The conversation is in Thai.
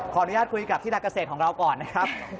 ขออนุญาตคุยกับที่นักเกษตรของเราก่อนนะครับ